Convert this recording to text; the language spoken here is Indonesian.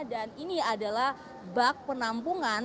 dan ini adalah bak penampungan